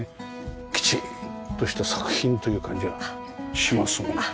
きちんとした作品という感じがしますもんね。